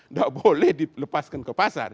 nggak boleh dilepaskan ke pasar